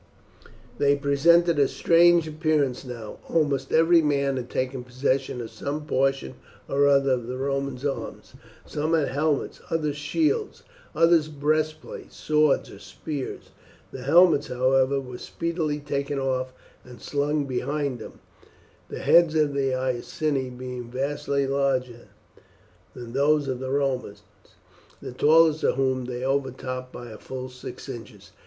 They presented a strange appearance now. Almost every man had taken possession of some portion or other of the Romans' arms. Some had helmets, others shields, others breastplates, swords, or spears. The helmets, however, were speedily taken off and slung behind them, the heads of the Iceni being vastly larger than those of the Romans, the tallest of whom they overtopped by fully six inches.